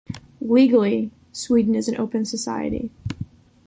Legally, Sweden is an open society.